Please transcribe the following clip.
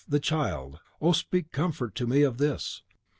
the child! oh, speak comfort to me in this!"